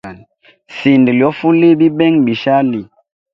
Sinda lyofuliya bibenga bishali.